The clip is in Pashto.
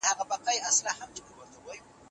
د کابل په ښار کې د ژمي پر مهال د هوا ککړتیا زیاتېږي.